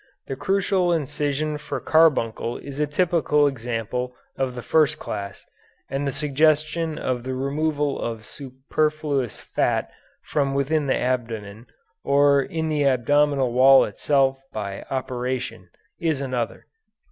The crucial incision for carbuncle is a typical example of the first class and the suggestion of the removal of superfluous fat from within the abdomen or in the abdominal wall itself by operation is another.